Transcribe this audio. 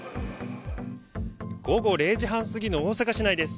午後０時半過ぎの大阪市内です。